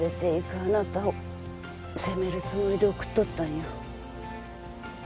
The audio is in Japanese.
あなたを責めるつもりで送っとったんよ